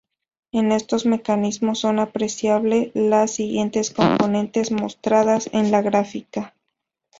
En estos mecanismos son apreciable las siguientes componentes mostradas en la gráfica.